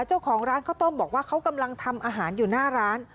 เจ้าของร้านข้าวต้มบอกว่าเขากำลังทำอาหารอยู่หน้าร้าน